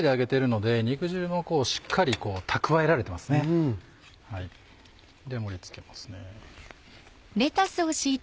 では盛り付けますね。